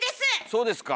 そうですか？